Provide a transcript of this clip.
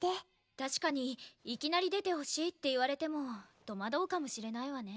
確かにいきなり出てほしいって言われても戸惑うかもしれないわね。